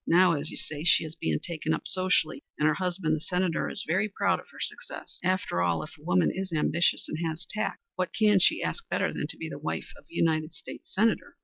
Now, as you say, she is being taken up socially, and her husband, the Senator, is very proud of her success. After all, if a woman is ambitious and has tact, what can she ask better than to be the wife of a United States Senator?"